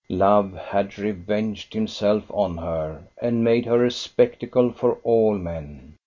Love had revenged himself on her and made her a spectacle for all men.